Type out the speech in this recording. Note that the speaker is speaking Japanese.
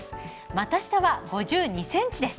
股下は５２センチです。